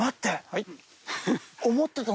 はい。